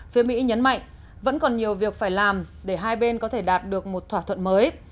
phía mỹ nhấn mạnh vẫn còn nhiều việc phải làm để hai bên có thể đạt được một thỏa thuận mới